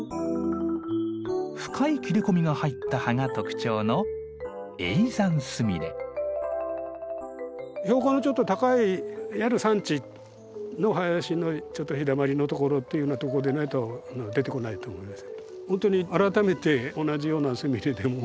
深い切れ込みが入った葉が特徴の標高のちょっと高いいわゆる山地の林のちょっと日だまりの所というようなとこでないと出てこないと思います。